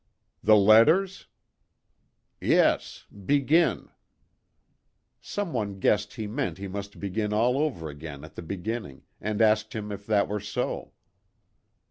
"The letters?" " Yes. Begin." Some one guessed he meant he must begin all over again at the beginning, and asked him if that were so.